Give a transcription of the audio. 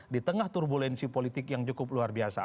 di tengah turbulensi politik yang cukup luar biasa